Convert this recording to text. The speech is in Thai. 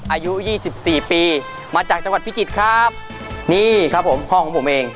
อายุยี่สิบสี่ปีมาจากจังหวัดพิจิตรครับนี่ครับผมพ่อของผมเอง